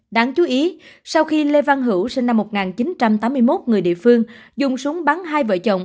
đáng chú ý sau khi lê văn hữu sinh năm một nghìn chín trăm tám mươi một người địa phương dùng súng bắn hai vợ chồng